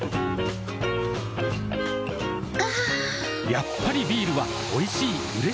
やっぱりビールはおいしい、うれしい。